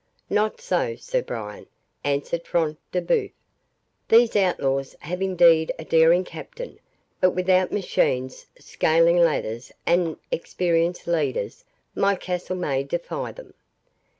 "Not so, Sir Brian," answered Front de Bœuf. "These outlaws have indeed a daring captain; but without machines, scaling ladders, and experienced leaders, my castle may defy them."